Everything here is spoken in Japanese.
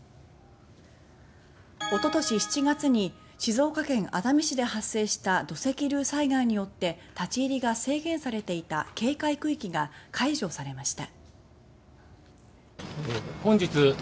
おととし７月に静岡県熱海市で発生した土石流災害によって立ち入りが制限されていた警戒区域が解除されました。